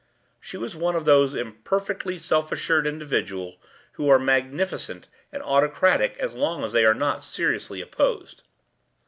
She was one of those imperfectly self assured individuals who are magnificent and autocratic as long as they are not seriously opposed.